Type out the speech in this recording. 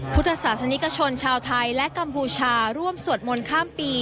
พุทธศาสนิกชนชาวไทยและกัมพูชาร่วมสวดมนต์ข้ามปี